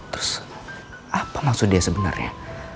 terus apa maksud dia sebenarnya